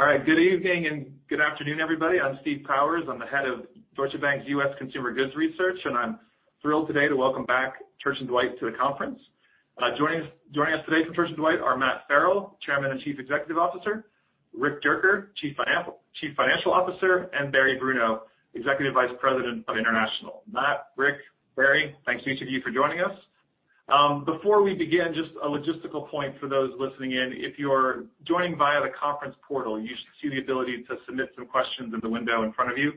All right. Good evening and good afternoon, everybody. I'm Steve Powers. I'm the head of Deutsche Bank's U.S. Consumer Goods Research, and I'm thrilled today to welcome back Church & Dwight to the conference. Joining us today from Church & Dwight are Matt Farrell, Chairman and Chief Executive Officer, Rick Dierker, Chief Financial Officer, and Barry Bruno, Executive Vice President of International. Matt, Rick, Barry, thank each of you for joining us. Before we begin, just a logistical point for those listening in. If you're joined via the conference portal, you should see the ability to submit some questions in the window in front of you.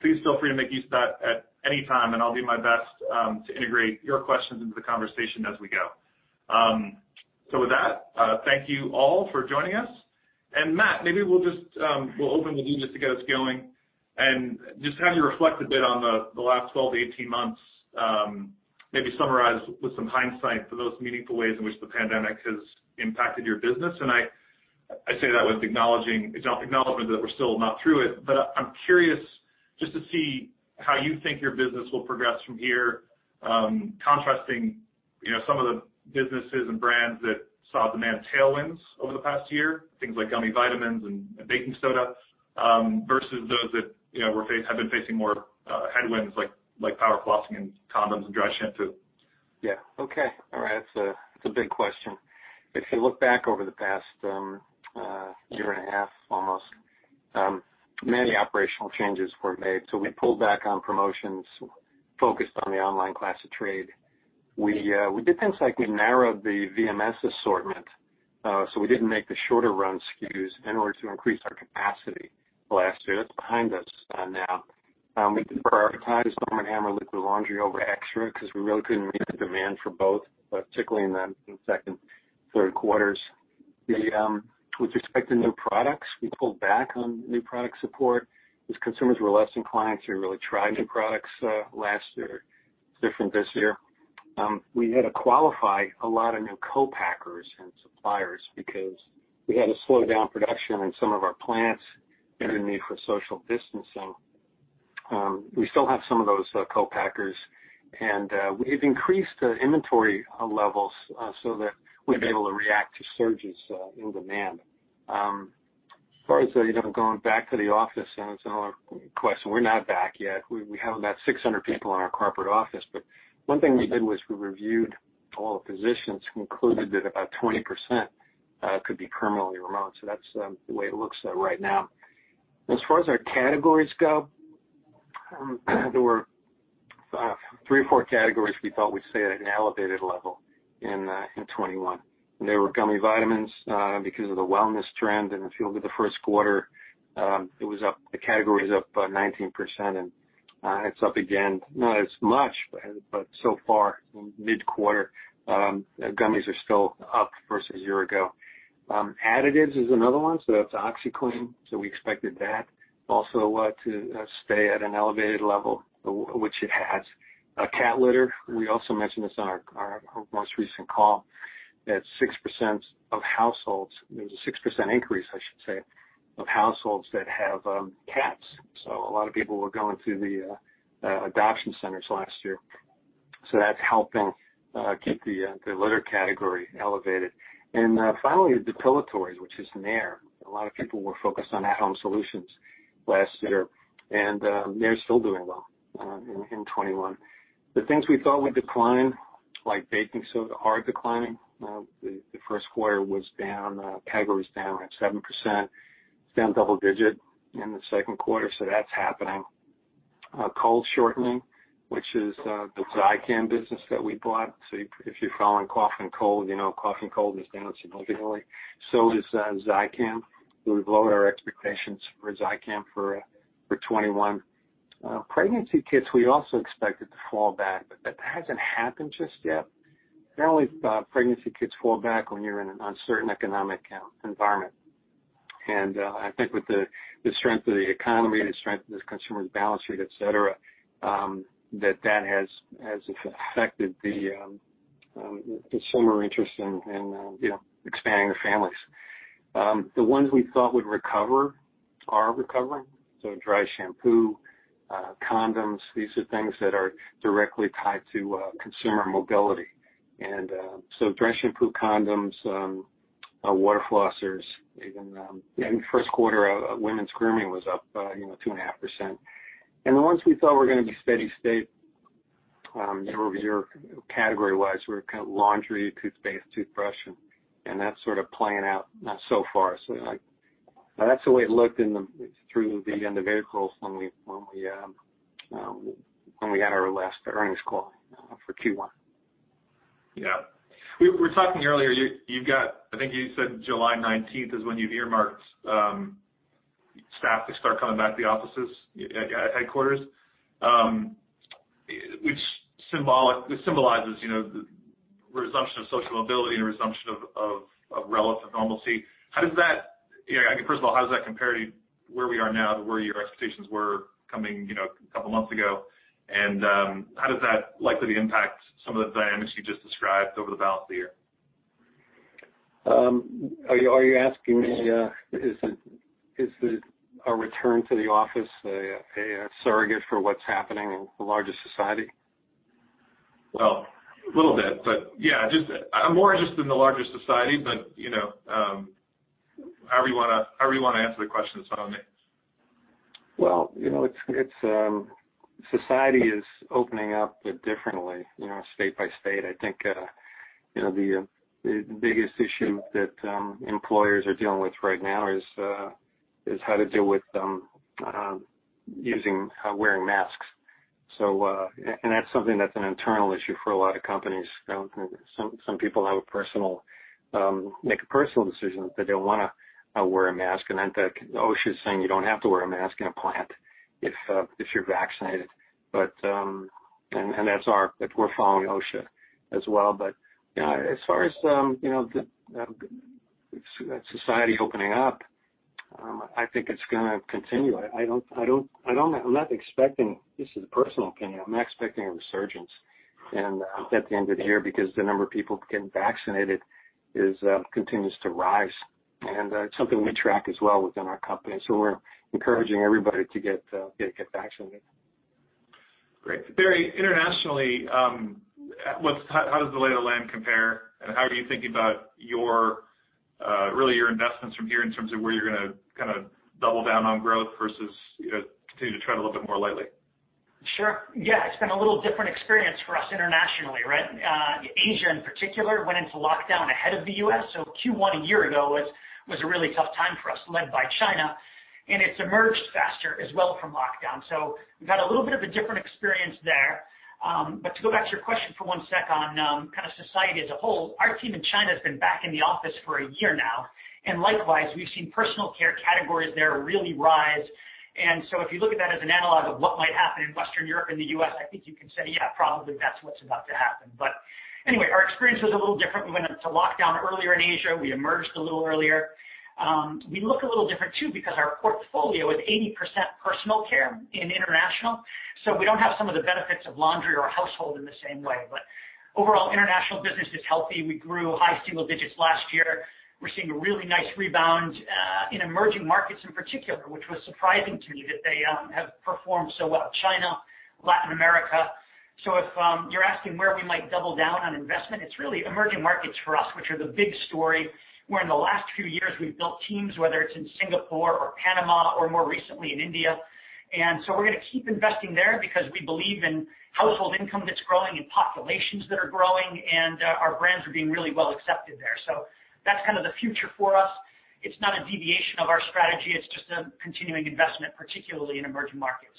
Please feel free to make use of that at any time, and I'll do my best to integrate your questions into the conversation as we go. With that, thank you all for joining us. Matt, maybe we'll open the meeting, just to get us going, and just have you reflect a bit on the last 12 to 18 months. Maybe summarize with some hindsight for those meaningful ways in which the pandemic has impacted your business. I say that with acknowledgement that we're still not through it, but I'm curious just to see how you think your business will progress from here. Contrasting some of the businesses and brands that saw demand tailwinds over the past year, things like gummy vitamins and baking soda, versus those that have been facing more headwinds, like water flossers and condoms and dry shampoo. Yeah. Okay. All right. It's a big question. If you look back over the past year and a half, almost, many operational changes were made. We pulled back on promotions, focused on the online class of trade. We did things like we narrowed the VMS assortment, so we didn't make the shorter run SKUs in order to increase our capacity last year. That's behind us now. We converted Tide to Arm & Hammer Liquid Laundry over XTRA because we really couldn't meet the demand for both, particularly in the second and third quarters. With respect to new products, we pulled back on new product support because consumers were less inclined to really try new products last year. Different this year. We had to qualify a lot of new co-packers and suppliers because we had to slow down production in some of our plants due to the need for social distancing. We still have some of those co-packers. We did increase the inventory levels so that we'd be able to react to surges in demand. As far as going back to the office, it's an ongoing question. We're not back yet. We have about 600 people in our corporate office. One thing we did was we reviewed all the positions. We concluded that about 20% could be permanently remote. That's the way it looks right now. As far as our categories go, there were three or four categories we thought we'd stay at an elevated level in 2021. They were gummy vitamins because of the wellness trend. If you look at the first quarter, the category was up 19%, and it's up again. Not as much, so far, mid-quarter, gummies are still up versus a year ago. Additives is another one, that's OxiClean. We expected that also to stay at an elevated level, which it has. Cat litter, we also mentioned this on our most recent call, there's a 6% increase, I should say, of households that have cats. A lot of people were going to the adoption centers last year. That's helping keep the litter category elevated. Finally, the deodorizers, which is Nair. A lot of people were focused on at-home solutions last year, Nair's still doing well in 2021. The things we thought would decline, like baking soda, are declining. The first quarter was down. PEGA was down at 7%, down double digit in the second quarter. That's happening. Cold shortening, which is the Zicam business that we bought. If you're following cough and cold, you know cough and cold is down significantly. Is Zicam. We've lowered our expectations for Zicam for 2021. Pregnancy kits, we also expected to fall back. That hasn't happened just yet. Generally, pregnancy kits fall back when you're in an uncertain economic environment. I think with the strength of the economy, the strength of the consumer balance sheet, et cetera, that has affected the consumer interest in expanding their families. The ones we thought would recover are recovering. Dry shampoo, condoms, these are things that are directly tied to consumer mobility. Dry shampoo, condoms, water flossers, even in the first quarter, women's grooming was up 2.5%. The ones we thought were going to be steady state year-over-year category-wise were laundry, toothpaste, toothbrushes, and that's sort of playing out so far. That's the way it looked through the end of April when we had our last earnings call for Q1. Yeah. We were talking earlier. I think you said July 19th is when you've earmarked staff to start coming back to the offices at headquarters. Which symbolizes the resumption of social mobility and resumption of relative normalcy. First of all, how does that compare to where we are now to where your expectations were coming a couple months ago? How does that likely impact some of the dynamics you just described over the balance of the year? Are you asking me, is a return to the office a surrogate for what's happening in the larger society? Well, a little bit. Yeah, more just in the larger society. However you want to answer the question, Solomon. Well, society is opening up differently state by state. I think the biggest issue that employers are dealing with right now is how to deal with wearing masks. That's something that's an internal issue for a lot of companies. Some people make personal decisions. They don't want to wear a mask, and I think OSHA is saying you don't have to wear a mask in a plant if you're vaccinated. We're following OSHA as well. Yeah, as far as the society opening up, I think it's going to continue. I'm not expecting, this is a personal opinion, I'm not expecting a resurgence at the end of the year because the number of people getting vaccinated continues to rise. That's something we track as well within our company. We're encouraging everybody to get vaccinated. Great. Barry, internationally, how does the lay of land compare, and how are you thinking about your investments from here in terms of where you're going to double down on growth versus continue to tread a little bit more lightly? Sure. Yeah. It's been a little different experience for us internationally, right? Asia in particular went into lockdown ahead of the U.S., so Q1 a year ago was a really tough time for us, led by China, and it's emerged faster as well from lockdown. We got a little bit of a different experience there. To go back to your question for one sec on kind of society as a whole, our team in China has been back in the office for a year now. Likewise, we've seen personal care categories there really rise. If you look at it as an analog of what might happen in Western Europe and the U.S., I think you can say, yeah, probably that's what's about to happen. Anyway, our experience was a little different. We went into lockdown earlier in Asia. We emerged a little earlier. We look a little different too because our portfolio is 80% personal care in international. We don't have some of the benefits of laundry or household in the same way. Overall, international business is healthy. We grew high single digits last year. We're seeing a really nice rebound in emerging markets in particular, which was surprising to me that they have performed so well, China, Latin America. If you're asking where we might double down on investment, it's really emerging markets for us, which are the big story, where in the last few years we've built teams, whether it's in Singapore or Panama or more recently in India. We're going to keep investing there because we believe in household income that's growing and populations that are growing, and our brands are being really well accepted there. That's kind of the future for us. It's not a deviation of our strategy. It's just a continuing investment, particularly in emerging markets.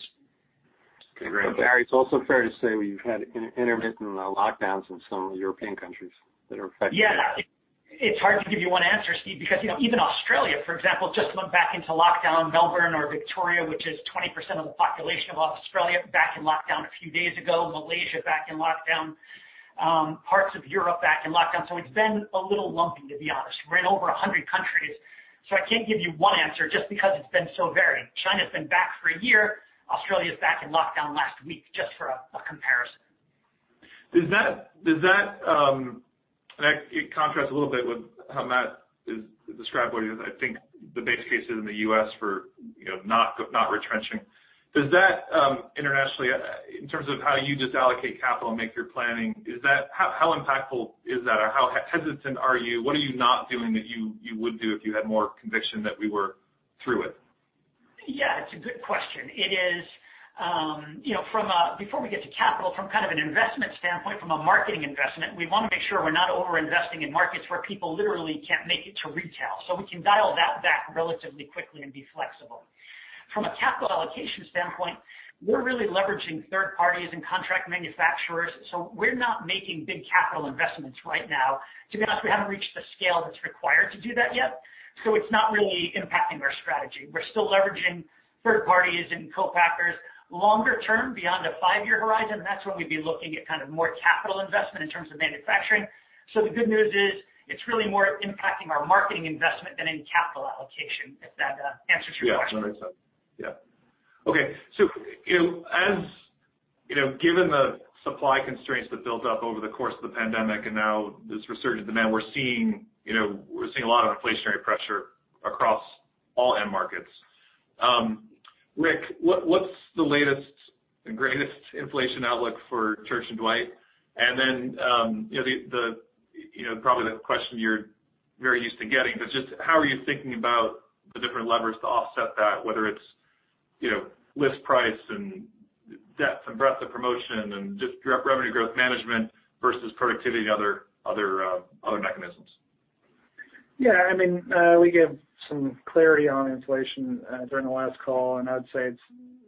Great. Barry, it's also fair to say you've had intermittent lockdowns in some of the European countries that are affecting you. Yeah. It's hard to give you one answer, Steve, because even Australia, for example, just went back into lockdown. Melbourne or Victoria, which is 20% of the population of Australia, back in lockdown a few days ago. Malaysia back in lockdown. Parts of Europe back in lockdown. It's been a little lumpy, to be honest. We're in over 100 countries. I can't give you one answer just because it's been so varied. China's been back for a year. Australia's back in lockdown last week, just for a comparison. That contrasts a little bit with how Matt described what is, I think, the base case in the U.S. for not retrenching. Internationally, in terms of how you just allocate capital and make your planning, how impactful is that or how hesitant are you? What are you not doing that you would do if you had more conviction that we were through it? Yeah. It's a good question. Before we get to capital, from kind of an investment standpoint, from a marketing investment, we want to make sure we're not over-investing in markets where people literally can't make it to retail. We can dial that back relatively quickly and be flexible. From a capital allocation standpoint, we're really leveraging third parties and contract manufacturers. We're not making big capital investments right now. To be honest, we haven't reached the scale that's required to do that yet. It's not really impacting our strategy. We're still leveraging third parties and co-packers. Longer term, beyond a five-year horizon, that's when we'd be looking at more capital investment in terms of manufacturing. The good news is it's really more impacting our marketing investment than in capital allocation, if that answers your question. Yeah. Okay. Given the supply constraints that built up over the course of the pandemic and now this resurgence, we're seeing a lot of inflationary pressure across all end markets. Rick, what's the latest and greatest inflation outlook for Church & Dwight? Probably the question you're very used to getting, but just how are you thinking about the different levers to offset that, whether it's list price and depth and breadth of promotion and just revenue growth management versus productivity and other mechanisms? Yeah. We gave some clarity on inflation during the last call, and I'd say it's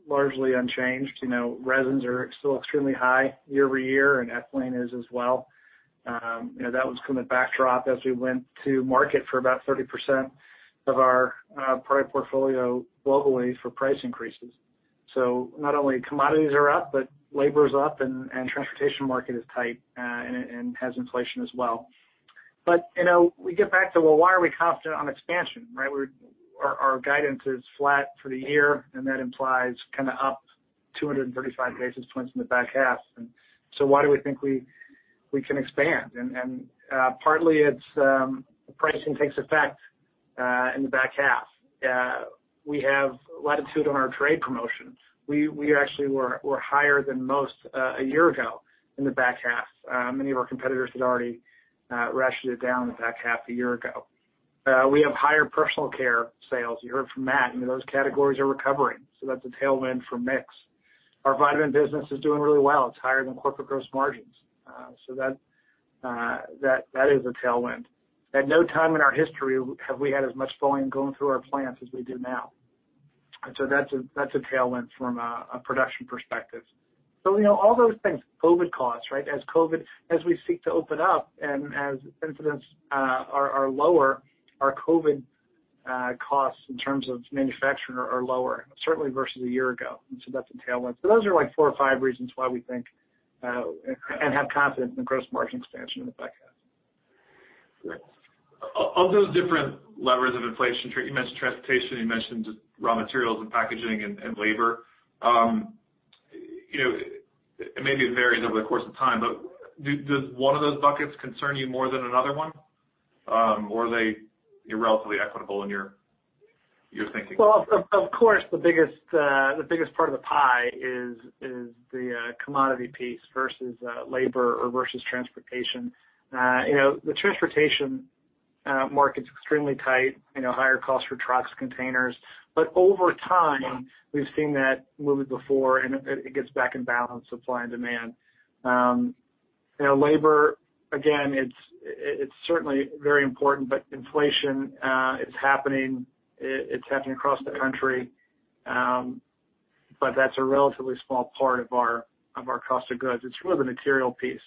largely unchanged. Resins are still extremely high year-over-year, and ethylene is as well. That was kind of the backdrop as we went to market for about 30% of our product portfolio globally for price increases. Not only commodities are up, but labor's up and transportation market is tight and has inflation as well. We get back to, well, why are we confident on expansion, right? Our guidance is flat for the year, and that implies up 235 basis points in the back half. Why do we think we- We can expand, partly it's the pricing takes effect in the back half. We have latitude on our trade promotions. We actually were higher than most a year ago in the back half. Many of our competitors had already ratcheted it down in the back half a year ago. We have higher personal care sales. You heard from Matt Farrell, those categories are recovering, so that's a tailwind for mix. Our vitamin business is doing really well. It's higher than corporate gross margins. That is a tailwind. At no time in our history have we had as much volume going through our plants as we do now. That's a tailwind from a production perspective. All those things. COVID costs. As we seek to open up and as incidents are lower, our COVID costs in terms of manufacturing are lower, certainly versus a year ago, and so that's a tailwind. Those are like four or five reasons why we think and have confidence in gross margin expansion in the back half. Great. Of those different levers of inflation, you mentioned transportation, you mentioned raw materials and packaging and labor. Maybe it varies over the course of time, but does one of those buckets concern you more than another one? Or are they relatively equitable in your thinking? Well, of course, the biggest part of the pie is the commodity piece versus labor or versus transportation. The transportation market's extremely tight, higher costs for trucks, containers. Over time, we've seen that movie before, it gets back in balance, supply and demand. Labor, again, it's certainly very important, but inflation, it's happening across the country. That's a relatively small part of our cost of goods. It's really the material piece.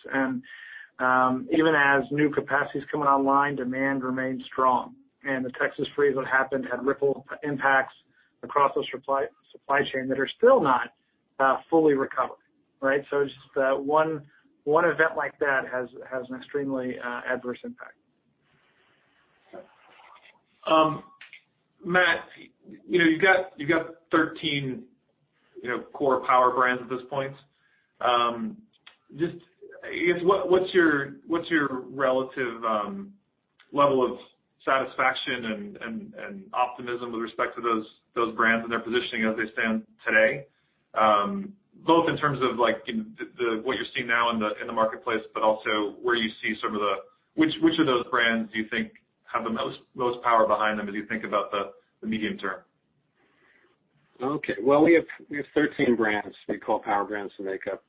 Even as new capacity's coming online, demand remains strong. The Texas freeze that happened had ripple impacts across those supply chain that are still not fully recovered. Right? It's just one event like that has an extremely adverse impact. Matt, you've got 13 core power brands at this point. Just, I guess, what's your relative level of satisfaction and optimism with respect to those brands and their positioning as they stand today? Both in terms of what you're seeing now in the marketplace, but also which of those brands do you think have the most power behind them as you think about the medium term? Okay. Well, we have 13 brands we call power brands that make up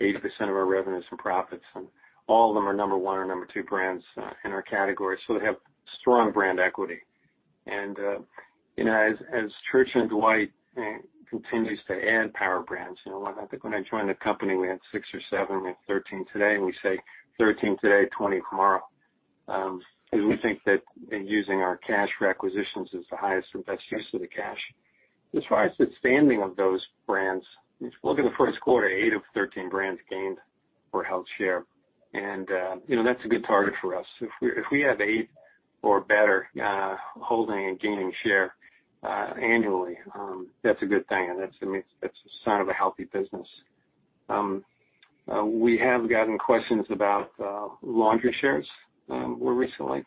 80% of our revenues from profits, all of them are number one or number two brands in our category, they have strong brand equity. As Church & Dwight continues to add power brands, I think when I joined the company, we had six or seven. We have 13 today, we say 13 today, 20 tomorrow. We think that using our cash for acquisitions is the highest and best use of the cash. As far as the standing of those brands, if we look at the first quarter, eight of 13 brands gained or held share. That's a good target for us. If we have eight or better holding and gaining share annually, that's a good thing, that's a sign of a healthy business. We have gotten questions about laundry shares more recently.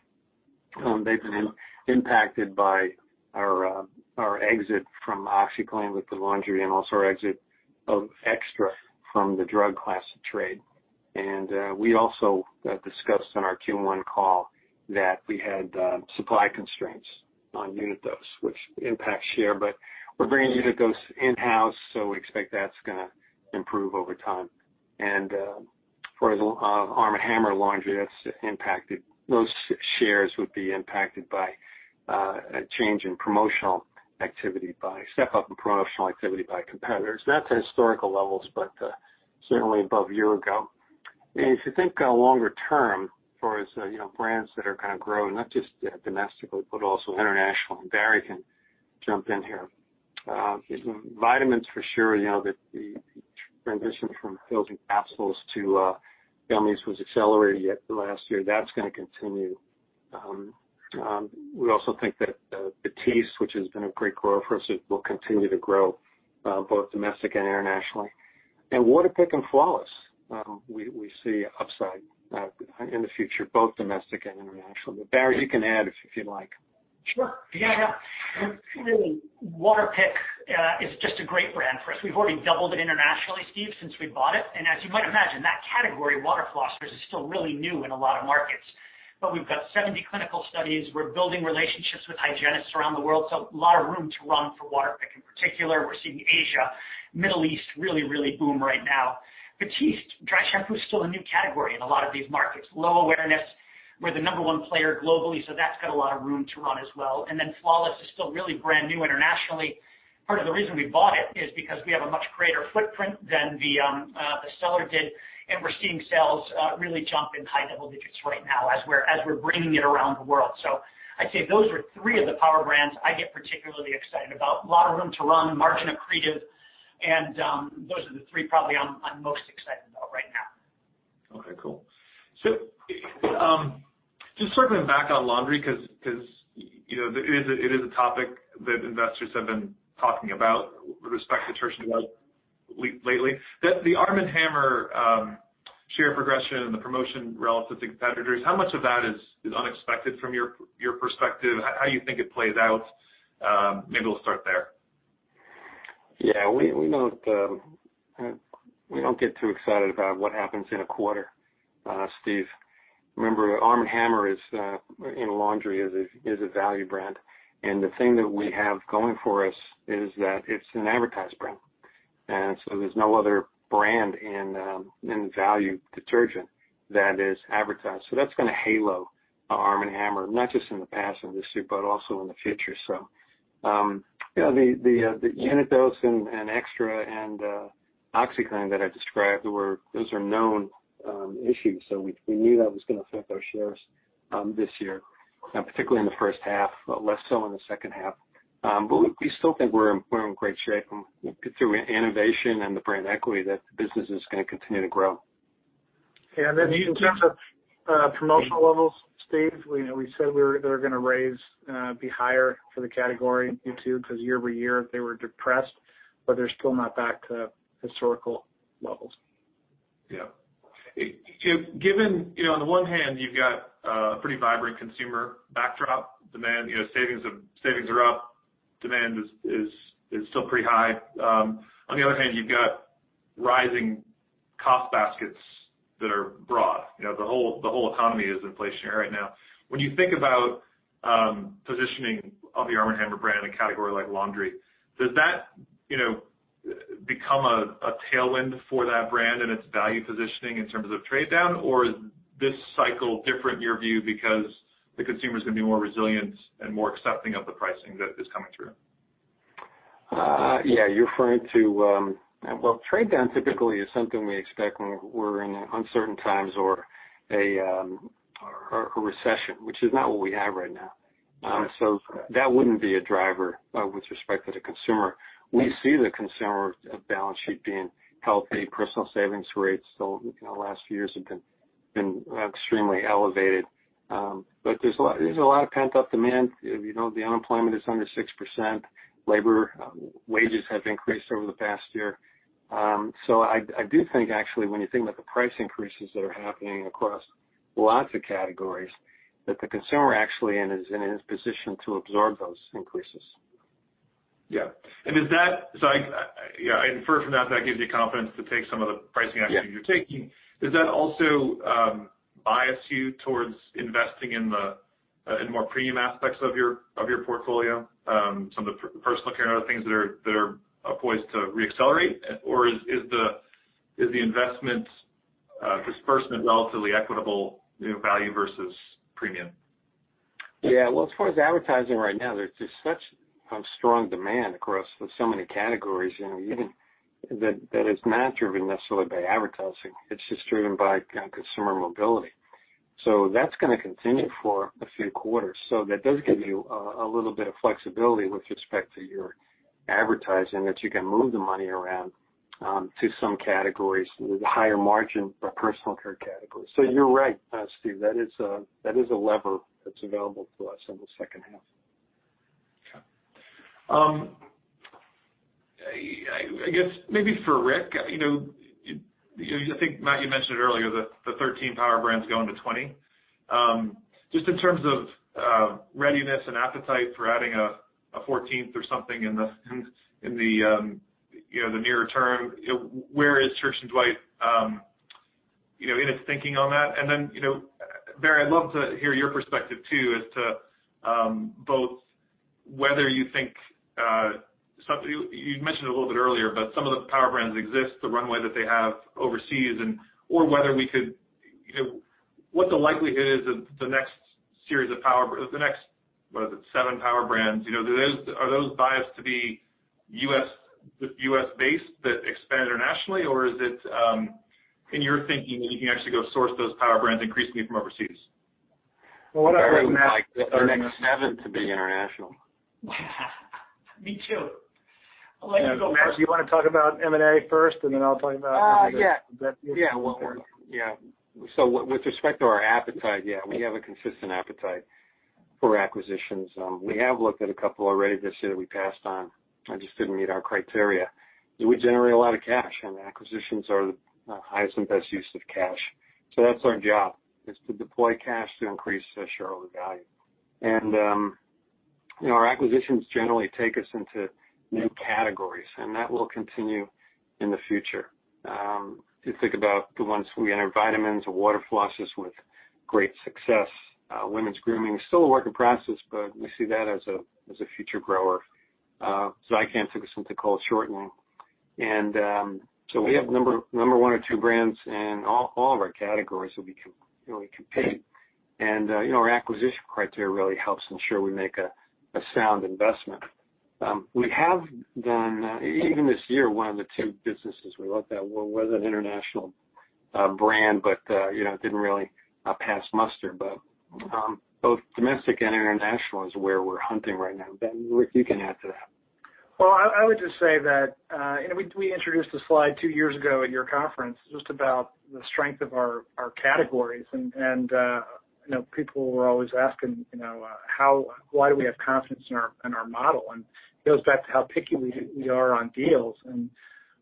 They've been impacted by our exit from OxiClean with the laundry and also our exit of XTRA from the drug class of trade. We also discussed on our Q1 call that we had supply constraints on Unit Dose, which impacts share. We're bringing Unit Dose in-house, so we expect that's going to improve over time. As far as Arm & Hammer laundry, those shares would be impacted by a change in promotional activity, by step up in promotional activity by competitors. Not to historical levels, but certainly above a year ago. If you think longer term, as far as brands that are kind of growing, not just domestically, but also international, and Barry can jump in here. Vitamins for sure, the transition from pills and capsules to gummies was accelerated last year. That's going to continue. We also think that Batiste, which has been a great grower for us, will continue to grow both domestic and internationally. Waterpik and Flawless, we see upside in the future, both domestic and international. Barry, you can add if you'd like. Sure. Yeah. Waterpik is just a great brand for us. We've already doubled it internationally, Steve, since we bought it. As you might imagine, that category, water flossers, is still really new in a lot of markets. We've got 70 clinical studies. We're building relationships with hygienists around the world. A lot of room to run for Waterpik in particular. We're seeing Asia, Middle East really boom right now. Batiste dry shampoo is still a new category in a lot of these markets. Low awareness. We're the number one player globally. That's got a lot of room to run as well. Flawless is still really brand new internationally. Part of the reason we bought it is because we have a much greater footprint than the seller did, and we're seeing sales really jump in high level digits right now as we're bringing it around the world. I'd say those are three of the power brands I get particularly excited about. A lot of room to run, margin accretive, and those are the three probably I'm most excited about right now. Okay, cool. Just sort of back on laundry, because it is a topic that investors have been talking about with respect to Church & Dwight lately. The Arm & Hammer share progression and the promotion relative to competitors, how much of that is unexpected from your perspective? How do you think it plays out? Maybe we'll start there. Yeah, we don't get too excited about what happens in a quarter, Steve. Remember, Arm & Hammer in laundry is a value brand, and the thing that we have going for us is that it's an advertised brand. There's no other brand in value detergent that is advertised. That's going to halo Arm & Hammer, not just in the past obviously, but also in the future. The Unit Dose and XTRA and OxiClean that I described, those are known issues. We knew that was going to affect our shares this year, particularly in the first half, but less so in the second half. We still think we're in great shape through innovation and the brand equity that the business is going to continue to grow. And in terms of- Promotion levels, Steve, we said they were going to be higher for the category because year-over-year they were depressed. They're still not back to historical levels. Given on the one hand, you've got a pretty vibrant consumer backdrop demand. Savings are up, demand is still pretty high. The other hand, you've got rising cost baskets that are broad. The whole economy is inflationary right now. When you think about positioning of the Arm & Hammer brand in a category like laundry, does that become a tailwind for that brand and its value positioning in terms of trade down? Or is this cycle different in your view because the consumer's going to be more resilient and more accepting of the pricing that is coming through? Yeah, you're referring to-- Well, trade down typically is something we expect when we're in uncertain times or a recession, which is not what we have right now. That wouldn't be a driver with respect to the consumer. We see the consumer balance sheet being healthy. Personal savings rates the last few years have been extremely elevated. There's a lot of pent-up demand. The unemployment is under 6%. Labor wages have increased over the past year. I do think actually, when you think about the price increases that are happening across lots of categories, that the consumer actually is in a position to absorb those increases. Yeah. Infer from that gives you confidence to take some of the pricing actions you're taking. Yeah. Does that also bias you towards investing in more premium aspects of your portfolio? Some of the personal care and other things that are poised to re-accelerate, or is the investment disbursement relatively equitable, value versus premium? Yeah. Well, as far as advertising right now, there's just such a strong demand across so many categories that is not driven necessarily by advertising. It's just driven by consumer mobility. That's going to continue for a few quarters. That does give you a little bit of flexibility with respect to your advertising, that you can move the money around to some categories with higher margin, like personal care categories. You're right, Steve, that is a lever that's available to us in the second half. Okay. I guess maybe for Rick, I think Matt, you mentioned earlier that the 13 Power Brands going to 20. Just in terms of readiness and appetite for adding a 14th or something in the near term, where is Church & Dwight in its thinking on that? Then, Barry, I'd love to hear your perspective, too, as to both whether you think. You mentioned a little bit earlier about some of the Power Brands exist, the runway that they have overseas, or what the likelihood is that the next, what is it, seven Power Brands, are those biased to be U.S.-based that expand internationally, or is it in your thinking that you can actually go source those Power Brands increasingly from overseas? Well, I would like the next seven to be international. Me too. Matt, do you want to talk about M&A first? Yeah. That would work. Yeah. With respect to our appetite, yeah, we have a consistent appetite for acquisitions. We have looked at a couple already this year that we passed on that just didn't meet our criteria. We generate a lot of cash, and acquisitions are the highest and best use of cash. That's our job is to deploy cash to increase the shareholder value. Our acquisitions generally take us into new categories, and that will continue in the future. Just think about the ones we had, our vitamins, our water flossers with great success. Women's grooming is still a work in process, but we see that as a future grower. Zicam fits into cold shortening. We have number one or two brands in all of our categories that we compete, and our acquisition criteria really helps ensure we make a sound investment. We have done, even this year, one of the two businesses we looked at was an international brand. It didn't really pass muster. Both domestic and international is where we're hunting right now. Ben, you can add to that. Well, I would just say that we introduced a slide two years ago at your conference, just about the strength of our categories. People were always asking why do we have confidence in our model? It goes back to how picky we are on deals, and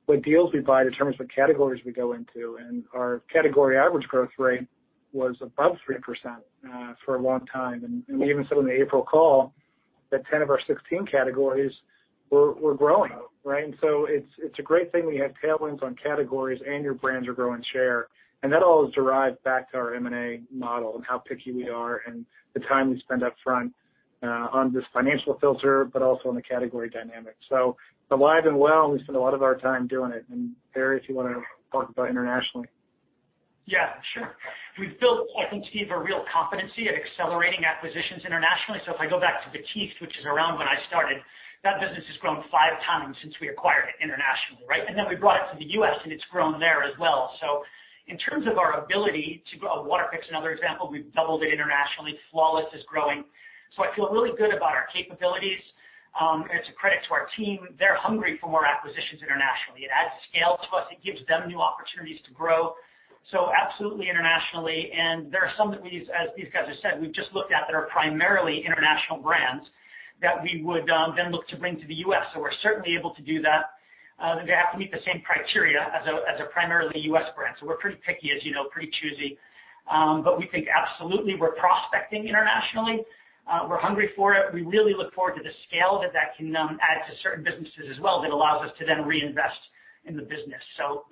what deals we buy determines what categories we go into. Our category average growth rate was above 3% for a long time. We even said on the April call that 10 of our 16 categories were growing. Right? It's a great thing when you have tailwinds on categories and your brands are growing share, and that all is derived back to our M&A model and how picky we are and the time we spend up front on this financial filter, but also on the category dynamic. Alive and well, and we spend a lot of our time doing it. Barry, if you want to talk about internationally. Yeah, sure. We've built, I think, Steve, a real competency at accelerating acquisitions internationally. If I go back to Batiste, which is around when I started, that business has grown five times since we acquired it internationally, right? Then we brought it to the U.S. and it's grown there as well. In terms of our ability to grow Waterpik's another example, we've doubled it internationally. Flawless is growing. I feel really good about our capabilities. It's a credit to our team. They're hungry for more acquisitions internationally. It adds scale to us. It gives them new opportunities to grow. Absolutely internationally, and there are some that we, as these guys have said, we've just looked at that are primarily international brands that we would then look to bring to the U.S. We're certainly able to do that. They have to meet the same criteria as a primarily U.S. brand. We're pretty picky as you know, pretty choosy. We think absolutely, we're prospecting internationally. We're hungry for it. We really look forward to the scale that that can add to certain businesses as well, that allows us to then reinvest in the business.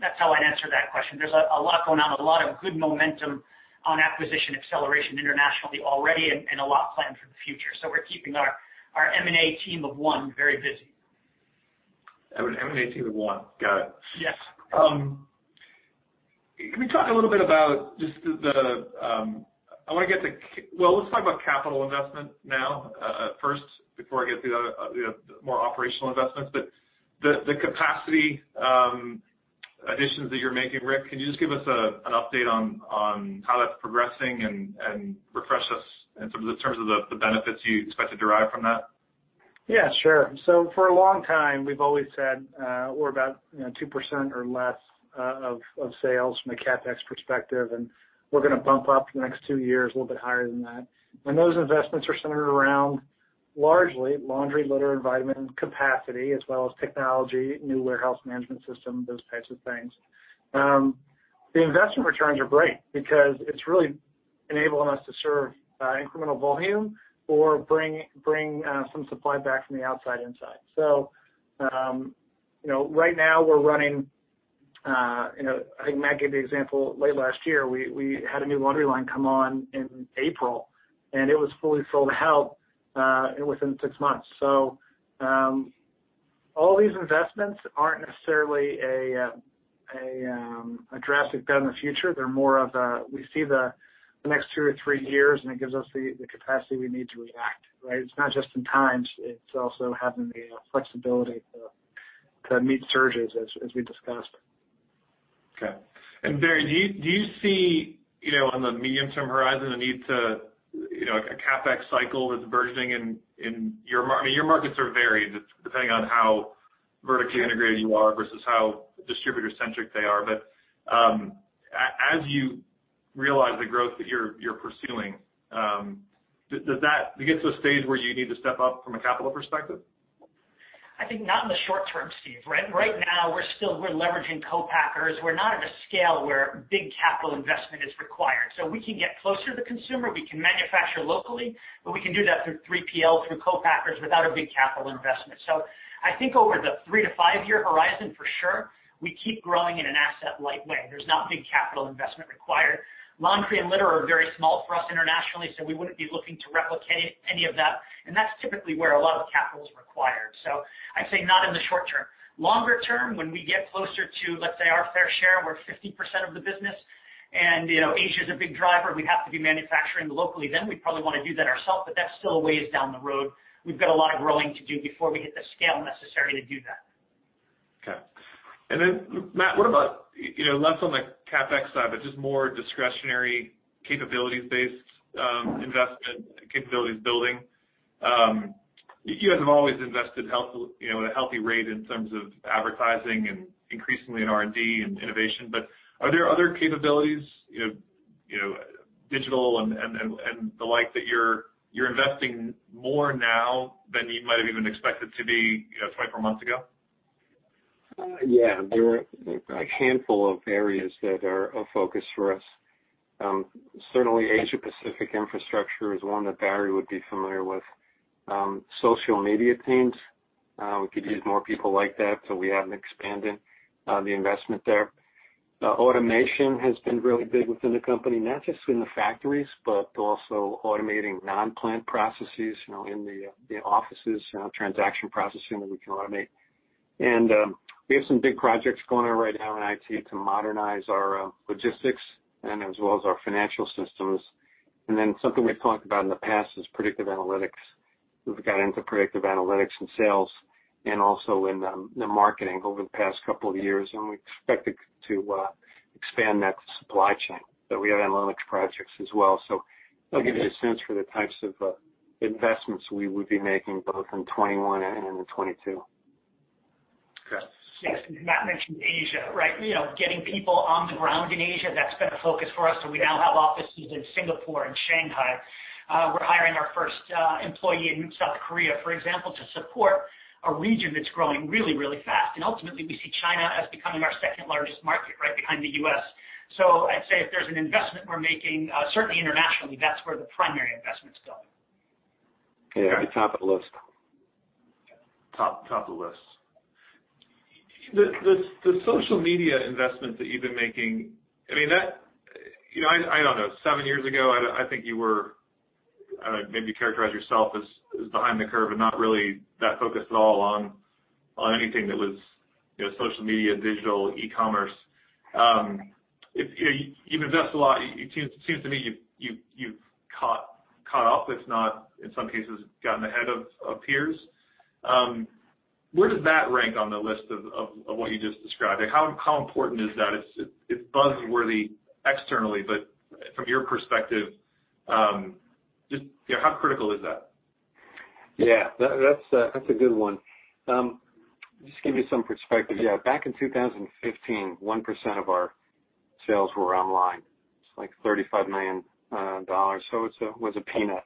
That's how I'd answer that question. There's a lot going on, a lot of good momentum on acquisition acceleration internationally already, and a lot planned for the future. We're keeping our M&A team of one very busy. M&A team of one. Got it. Yes. Can we talk a little bit about capital investment now, first, before I get to the more operational investments. The capacity additions that you're making, Rick, can you just give us an update on how that's progressing and refresh us in terms of the benefits you expect to derive from that. Sure. For a long time, we've always said, we're about 2% or less of sales from a CapEx perspective. We're going to bump up the next two years a little bit higher than that. Those investments are centered around largely laundry, litter, and vitamin capacity, as well as technology, new warehouse management system, those types of things. The investment returns are great because it's really enabling us to serve incremental volume or bring some supply back from the outside inside. Right now we're running, I think Matt Farrell gave the example late last year, we had a new laundry line come on in April, and it was fully sold out within six months. All these investments aren't necessarily a drastic bet on the future. We see the next two or three years, and it gives us the capacity we need to react, right? It's not just in times, it's also having the flexibility to meet surges as we discussed. Okay. Barry, do you see, on the medium-term horizon, a need to, a CapEx cycle that's burgeoning in your I mean, your markets are varied depending on how vertically integrated you are versus how distributor centric they are. As you realize the growth that you're pursuing, does it get to a stage where you need to step up from a capital perspective? I think not in the short term, Steve. Right now we're leveraging co-packers. We're not at a scale where big capital investment is required. We can get closer to the consumer, we can manufacture locally, but we can do that through 3PL, through co-packers without a big capital investment. I think over the three to five-year horizon, for sure, we keep growing in an asset-light way. There's not big capital investment required. Laundry and litter are very small for us internationally, we wouldn't be looking to replicate any of that's typically where a lot of capital is required. I'd say not in the short term. Longer term, when we get closer to, let's say, our fair share, we're 50% of the business, Asia's a big driver, we'd have to be manufacturing locally then. We'd probably want to do that ourself, but that's still a ways down the road. We've got a lot of growing to do before we hit the scale necessary to do that. Okay. Matt, what about less on the CapEx side, but just more discretionary capabilities-based investment, capabilities building? You guys have always invested at a healthy rate in terms of advertising and increasingly in R&D and innovation. Are there other capabilities, digital and the like that you're investing more now than you might have even expected to be six or four months ago? Yeah. There are a handful of areas that are of focus for us. Certainly Asia Pacific infrastructure is one that Barry would be familiar with. Social media teams, we could use more people like that, so we have expanded the investment there. Automation has been really big within the company, not just in the factories, but also automating non-plant processes in the offices, transaction processing that we can automate. We have some big projects going on right now in IT to modernize our logistics and as well as our financial systems. Something we've talked about in the past is predictive analytics. We've got into predictive analytics in sales and also in the marketing over the past couple of years, and we expect it to expand that supply chain, but we have analytics projects as well. That'll give you a sense for the types of investments we would be making both in 2021 and into 2022. Okay. Yes. Matt mentioned Asia, right? Getting people on the ground in Asia, that's been a focus for us, so we now have offices in Singapore and Shanghai. We're hiring our first employee in South Korea, for example, to support a region that's growing really, really fast. Ultimately, we see China as becoming our second largest market right behind the U.S. I'd say if there's an investment we're making, certainly internationally, that's where the primary investment's going. Yeah, top of the list. Top of the list. The social media investment that you've been making, I don't know, seven years ago, I think you were, maybe characterize yourself as behind the curve and not really that focused at all on anything that was social media, digital, e-commerce. You've invested a lot. It seems to me you've caught up, if not, in some cases, gotten ahead of peers. Where does that rank on the list of what you just described? How important is that? It's buzzworthy externally, but from your perspective, just how critical is that? Yeah. That's a good one. Just give you some perspective. Yeah. Back in 2015, 1% of our sales were online. It's like $35 million. It was a peanut,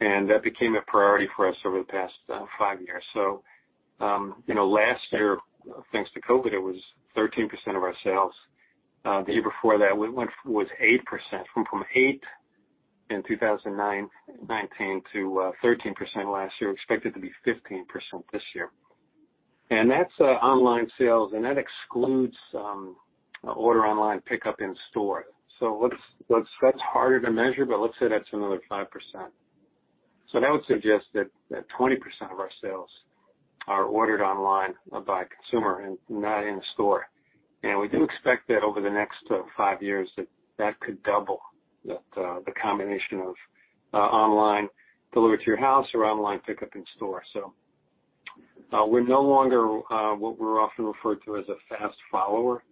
and that became a priority for us over the past five years. Last year, thanks to COVID, it was 13% of our sales. The year before that was 8%. Went from 8 in 2019 to 13% last year, expected to be 15% this year. That's online sales, and that excludes order online, pickup in store. That's harder to measure, but let's say that's another 5%. That would suggest that 20% of our sales are ordered online by consumer and not in store. We do expect that over the next five years that that could double, the combination of online delivered to your house or online pickup in store. We're no longer what we're often referred to as a fast follower.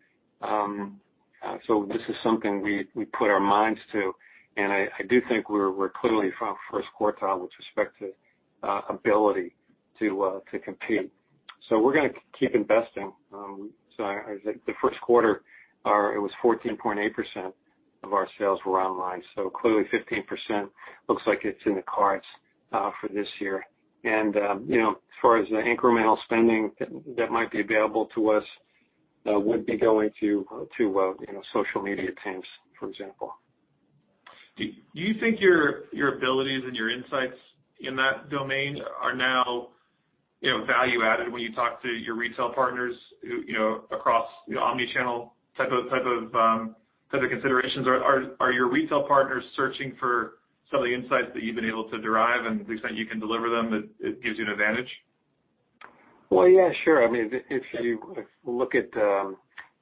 This is something we put our minds to, and I do think we're clearly first quartile with respect to ability to compete. We're gonna keep investing. I think the first quarter, it was 14.8% of our sales were online. Clearly, 15% looks like it's in the cards for this year. As far as the incremental spending that might be available to us, would be going to social media teams, for example. Do you think your abilities and your insights in that domain are now value added when you talk to your retail partners who, across the omni-channel type of considerations? Are your retail partners searching for some of the insights that you've been able to derive and the extent you can deliver them that it gives you an advantage? Well, yeah, sure. If you look at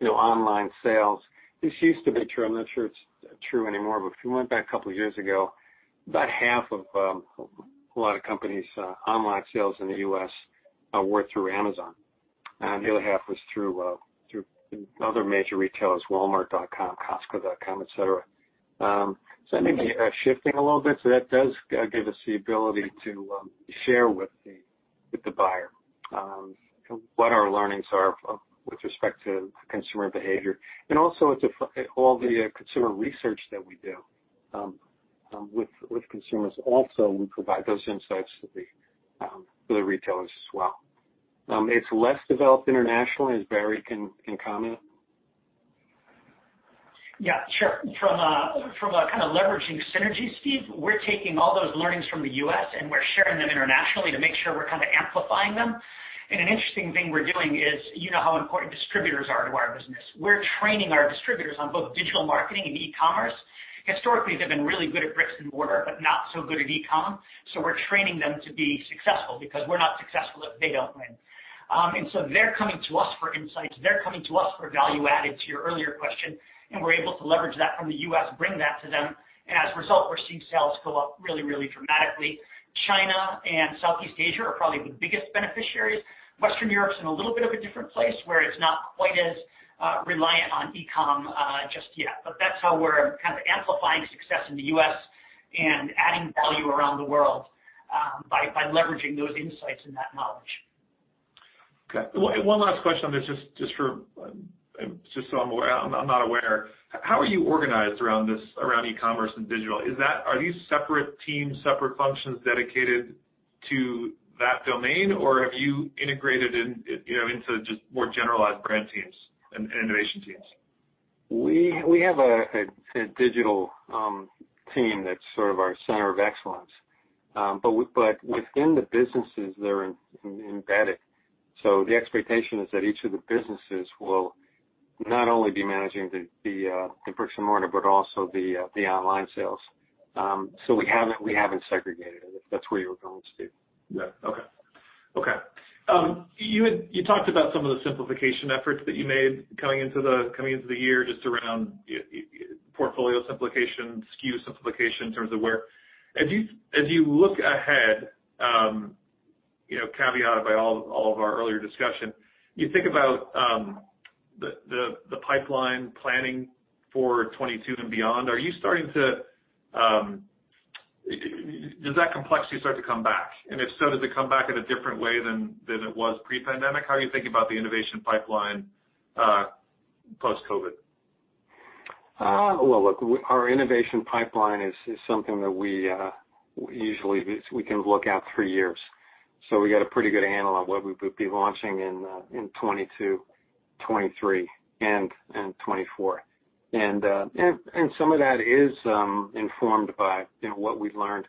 online sales, this used to be true, I'm not sure it's true anymore, but if you went back a couple of years ago, about half of a lot of companies' online sales in the U.S. were through Amazon. The other half was through other major retailers, walmart.com, costco.com, et cetera. I think we are shifting a little bit, so that does give us the ability to share with the buyer, what our learnings are with respect to consumer behavior. Also all the consumer research that we do with consumers also, we provide those insights for the retailers as well. It's less developed internationally, as Barry can comment. Yeah, sure. From a kind of leveraging synergy, Steve, we're taking all those learnings from the U.S., we're sharing them internationally to make sure we're kind of amplifying them. An interesting thing we're doing is, you know how important distributors are to our business. We're training our distributors on both digital marketing and e-commerce. Historically, they've been really good at bricks and mortar, but not so good at e-com. We're training them to be successful because we're not successful if they don't win. They're coming to us for insights. They're coming to us for value add, to your earlier question, we're able to leverage that from the U.S., bring that to them. As a result, we're seeing sales go up really, really dramatically. China and Southeast Asia are probably the biggest beneficiaries. Western Europe's in a little bit of a different place, where it's not quite as reliant on e-com just yet. That's how we're kind of amplifying success in the U.S. and adding value around the world, by leveraging those insights and that knowledge. Okay. One last question on this, just so I am aware. I am not aware. How are you organized around e-commerce and digital? Are these separate teams, separate functions dedicated to that domain, or have you integrated into just more generalized brand teams and innovation teams? We have a digital team that's sort of our center of excellence. Within the businesses, they're embedded. The expectation is that each of the businesses will not only be managing the bricks and mortar, but also the online sales. We haven't segregated it if that's where you were going, Steve. Yeah. Okay. You talked about some of the simplification efforts that you made coming into the year, just around portfolio simplification, SKU simplification in terms of where. As you look ahead, caveat by all of our earlier discussion. You think about the pipeline planning for 2022 and beyond, does that complexity start to come back? If so, does it come back in a different way than it was pre-pandemic? How are you thinking about the innovation pipeline post-COVID? Well, look, our innovation pipeline is something that we usually can look out three years. We got a pretty good handle on what we would be launching in 2022, 2023, and 2024. Some of that is informed by what we've learned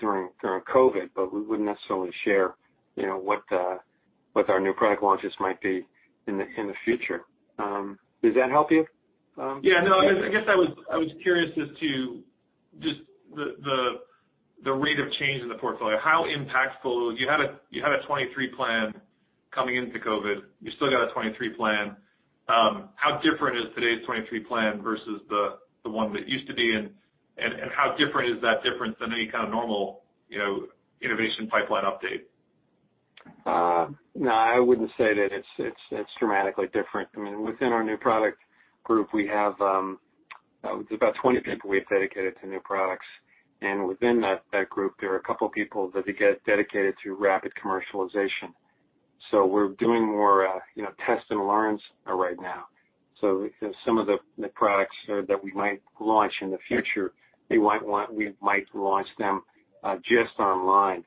during COVID, but we wouldn't necessarily share what our new product launches might be in the future. Does that help you, Steve? Yeah, no, I guess I was curious as to just the rate of change in the portfolio, how impactful. You had a 2023 plan coming into COVID. You still got a 2023 plan. How different is today's 2023 plan versus the one that used to be, and how different is that different than any kind of normal innovation pipeline update? No, I wouldn't say that it's dramatically different. Within our new product group, we have about 20 people we have dedicated to new products, and within that group, there are a couple of people that they get dedicated to rapid commercialization. We're doing more test and learns right now. Some of the products that we might launch in the future, we might launch them just online,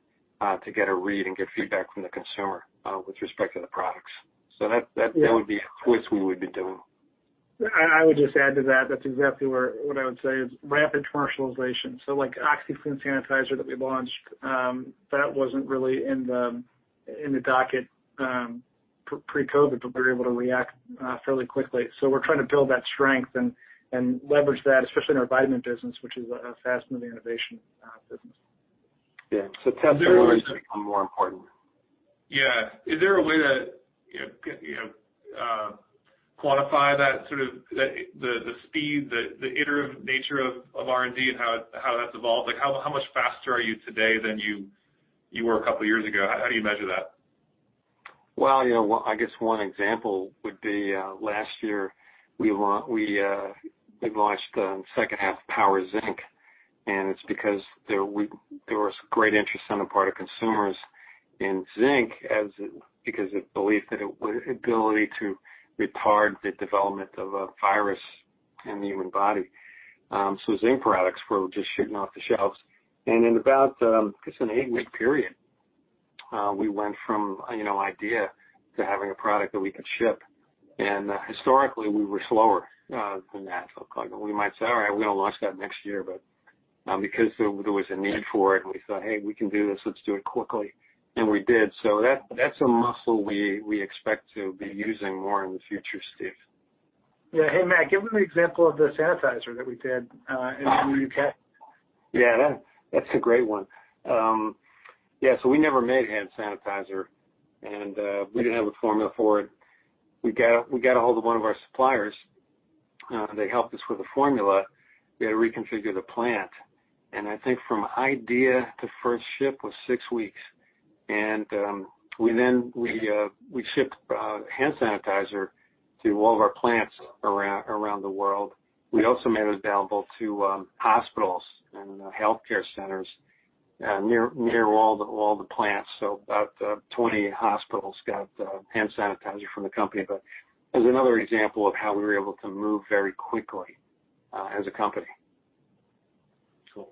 to get a read and get feedback from the consumer with respect to the products. That would be a twist we would be doing. I would just add to that's exactly what I would say is rapid commercialization. Like OxiClean Sanitizer that we launched, that wasn't really in the docket pre-COVID, but we were able to react fairly quickly. We're trying to build that strength and leverage that, especially in our vitamin business, which is a fast-moving innovation business. Yeah. Test and learns become more important. Yeah. Is there a way to quantify that sort of the speed, the iterative nature of R&D and how that's evolved? How much faster are you today than you were a couple of years ago? How do you measure that? Well, I guess one example would be, last year, we launched the second half Power Zinc, and it's because there was great interest on the part of consumers in zinc, because of belief that it ability to retard the development of a virus in the human body. Zinc products were just shooting off the shelves. In about, I guess, an eight-week period, we went from idea to having a product that we could ship. Historically, we were slower than that. We might say, All right, we're going to launch that next year. Because there was a need for it, we thought, Hey, we can do this. Let's do it quickly, and we did. That's a muscle we expect to be using more in the future, Steve. Yeah. Hey, Matt, give them the example of the sanitizer that we did in the U.K. Yeah. That's a great one. Yeah, we never made hand sanitizer, and we didn't have a formula for it. We got ahold of one of our suppliers. They helped us with a formula. We had to reconfigure the plant, and I think from idea to first ship was six weeks. We then shipped hand sanitizer to all of our plants around the world. We also made it available to hospitals and healthcare centers near all the plants. About 20 hospitals got hand sanitizer from the company. As another example of how we were able to move very quickly as a company. Cool.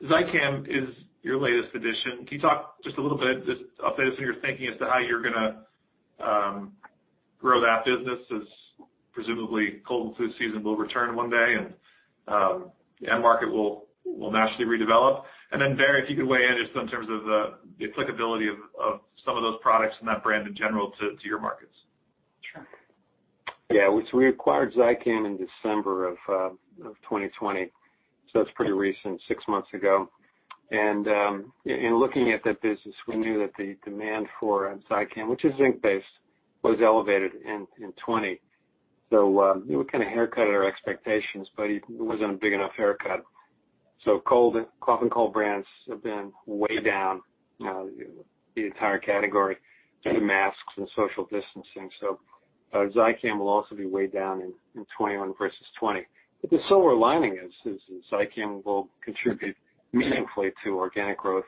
Zicam is your latest addition. Can you talk just a little bit, just update us on your thinking as to how you're going to grow that business as presumably cold and flu season will return one day and end market will naturally redevelop. Then Barry, if you could weigh in just in terms of the applicability of some of those products and that brand in general to your markets. Sure. Yeah. We acquired Zicam in December of 2020, so it's pretty recent, six months ago. In looking at that business, we knew that the demand for Zicam, which is zinc based, was elevated in 2020. We kind of haircut our expectations, but it wasn't a big enough haircut. Cough and cold brands have been way down, the entire category, due to masks and social distancing. Zicam will also be way down in 2021 versus 2020. The silver lining is Zicam will contribute meaningfully to organic growth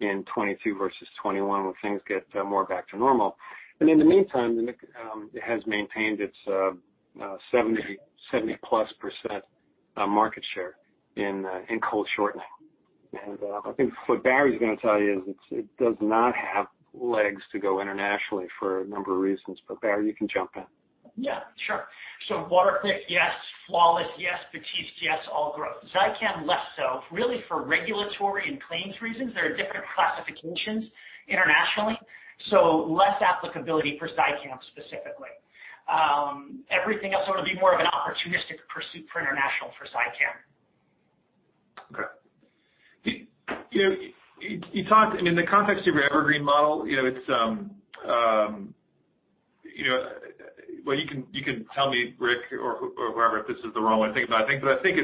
in 2022 versus 2021 when things get more back to normal. In the meantime, it has maintained its 70% plus market share in cold shortening. I think what Barry's going to tell you is it does not have legs to go internationally for a number of reasons, Barry, you can jump in. Yeah. Sure. Waterpik, yes. Flawless, yes. Batiste, yes. All growth. Zicam, less so. Really for regulatory and claims reasons. There are different classifications internationally, so less applicability for Zicam specifically. Everything else would be more of an opportunistic pursuit for international for Zicam. Okay. In the context of your Evergreen model, it's. Well, you can tell me, Rick, or whoever, if this is the wrong way to think about things, but I think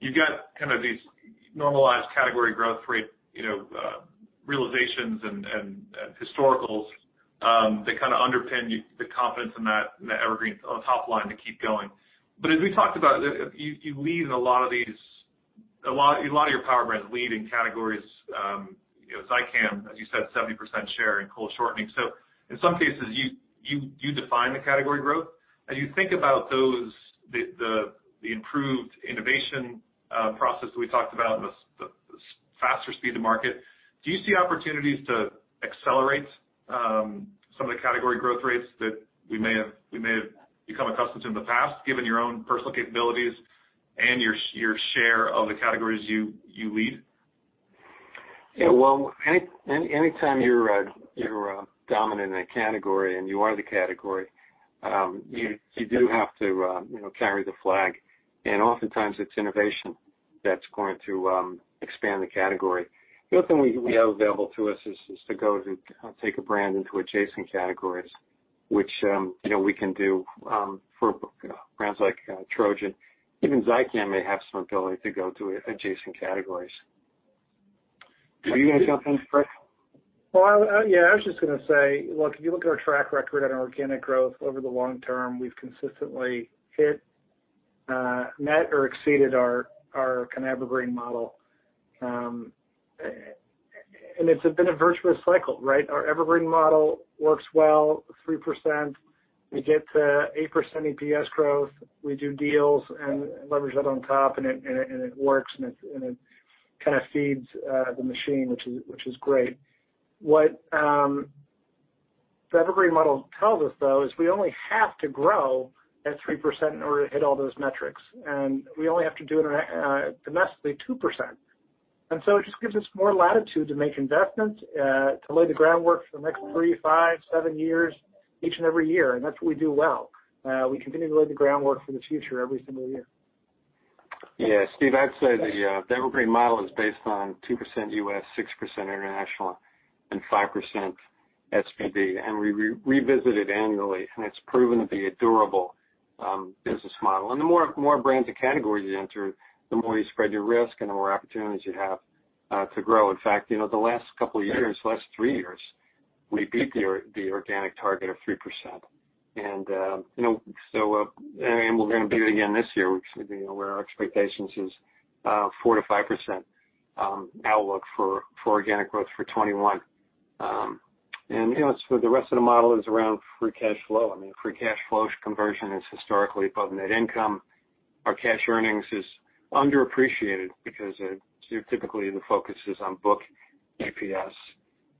you've got these normalized category growth rate realizations and historicals that underpin the confidence in that Evergreen top line to keep going. As we talked about, a lot of your power brands lead in categories, Zicam, as you said, 70% share in cold shortening. In some cases, you define the category growth. As you think about the improved innovation process we talked about and the faster speed to market, do you see opportunities to accelerate some of the category growth rates that we may have become accustomed to in the past, given your own personal capabilities and your share of the categories you lead? Yeah. Any time you're dominant in a category and you are the category, you do have to carry the flag, and oftentimes it's innovation that's going to expand the category. The other thing we have available to us is to go take a brand into adjacent categories, which we can do for brands like Trojan. Even Zicam may have some ability to go to adjacent categories. Are you going to jump in, Rick? Well, yeah. I was just going to say, look, if you look at our track record on organic growth over the long term, we've consistently hit, met, or exceeded our evergreen model. It's been a virtuous cycle, right? Our evergreen model works well, 3%. We get to 8% EPS growth. We do deals and leverage that on top, and it works, and it kind of feeds the machine, which is great. What the evergreen model tells us, though, is we only have to grow at 3% in order to hit all those metrics, and we only have to do it domestically 2%. It just gives us more latitude to make investments, to lay the groundwork for the next three, five, seven years, each and every year, and that's what we do well. We continue to lay the groundwork for the future every single year. Yeah. Steve, I'd say the Evergreen model is based on 2% U.S., 6% international, and 5% SPD. We revisit it annually, and it's proven to be a durable business model. The more brands and categories you enter, the more you spread your risk and the more opportunities you have to grow. In fact, the last couple of years, the last three years, we beat the organic target of 3%. We're going to do it again this year, where our expectations is 4% to 5% outlook for organic growth for 2021. The rest of the model is around free cash flow. Free cash flow conversion is historically above net income. Our cash earnings is underappreciated because typically the focus is on book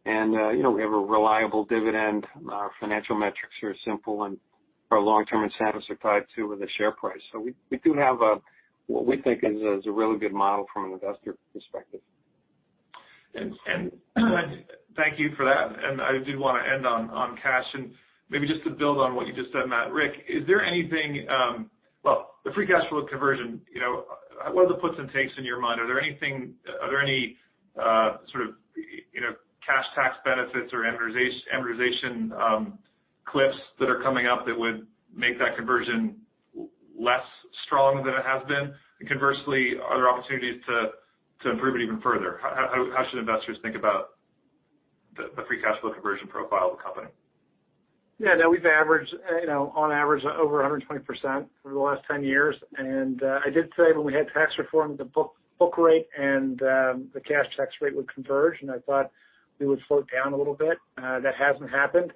EPS. We have a reliable dividend. Our financial metrics are simple. Our long-term incentives are tied to the share price. We do have what we think is a really good model from an investor perspective. Thank you for that. I did want to end on cash, and maybe just to build on what you just said, Matt. Rick, the free cash flow conversion, what are the puts and takes in your mind? Are there any sort of cash tax benefits or amortization cliffs that are coming up that would make that conversion less strong than it has been? Conversely, are there opportunities to improve it even further? How should investors think about the free cash flow conversion profile of the company? Yeah. No, we've averaged, on average, over 120% for the last 10 years. And I did say when we had tax reform, the book rate and the cash tax rate would converge, and I thought we would float down a little bit. That hasn't happened,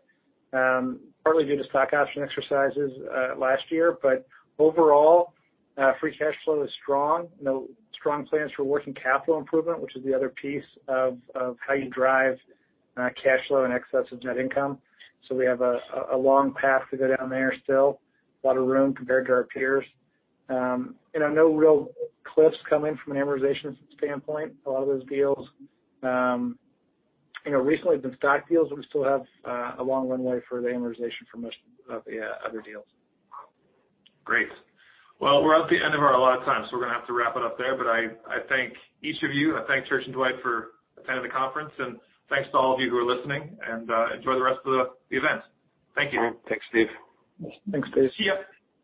partly due to stock option exercises last year. Overall, free cash flow is strong. Strong plans for working capital improvement, which is the other piece of how you drive cash flow in excess of net income. We have a long path to go down there still, a lot of room compared to our peers. No real cliffs coming from an amortization standpoint. A lot of those deals recently have been stock deals, but we still have a long runway for the amortization for most of the other deals. Great. Well, we're at the end of our allotted time, so we're going to have to wrap it up there. I thank each of you. I thank Church & Dwight for attending the conference, and thanks to all of you who are listening, and enjoy the rest of the event. Thank you. Thanks, Steve. Thanks, Steve. See you.